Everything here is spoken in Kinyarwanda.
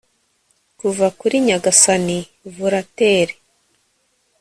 Kuva kuri nyagasani Volaterræ